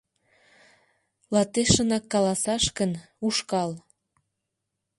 Латешынак каласаш гын, ушкал.